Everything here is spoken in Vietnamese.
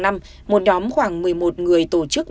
một nhóm khoảng một mươi một người tổ chức